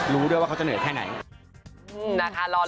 รู้ด้วยว่าเขาจะเหนื่อยแค่ไหนนะคะ